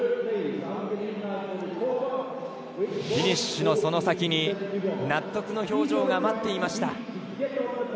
フィニッシュのその先に納得の表情が待っていました。